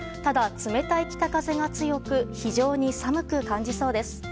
ただ、冷たい北風が強く非常に寒く感じそうです。